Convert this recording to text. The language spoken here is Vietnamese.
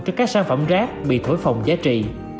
cho các sản phẩm rác bị thổi phòng giá trị